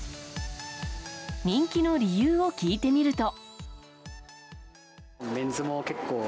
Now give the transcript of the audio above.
人気の理由を聞いてみると。